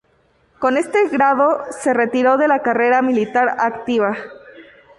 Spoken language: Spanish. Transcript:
Con este grado se retiró de la carrera militar activa.